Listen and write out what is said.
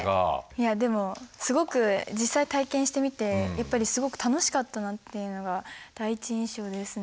いやでも実際体験してみてやっぱりすごく楽しかったなっていうのが第一印象ですね。